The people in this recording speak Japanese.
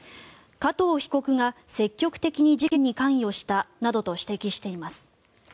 加藤被告が積極的に事件に関与したなどと指摘しています。